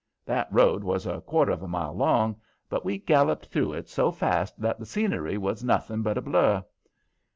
That road was a quarter of a mile long, but we galloped through it so fast that the scenery was nothing but a blur.